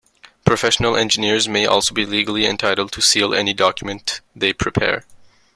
Professional engineers may also be legally entitled to seal any document they prepare.